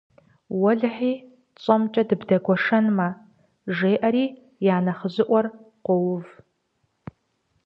- Уэлэхьи, тщӀэмкӀэ дыбдэгуэшэнмэ, - жеӀэри я нэхъыжьыӀуэр къоув.